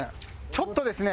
ちょっとですね